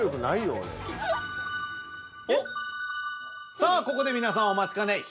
さあここで皆さんお待ちかね何？